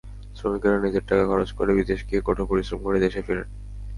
শ্রমিকেরা নিজেরা টাকা খরচ করে বিদেশ গিয়ে কঠোর পরিশ্রম করে দেশে ফেরেন।